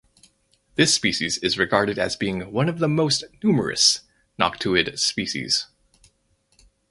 This species is regarded as being one of the most numerous noctuid species.